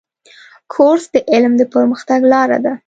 کورس د علم د پرمختګ لاره ده.